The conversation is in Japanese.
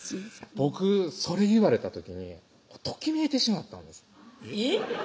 僕それ言われた時にときめいてしまったんですえっ？